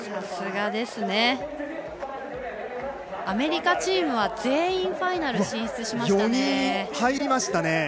アメリカチームは全員ファイナル進出しましたね。